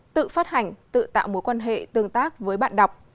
tự phát hành tự tạo mối quan hệ tương tác với bạn đọc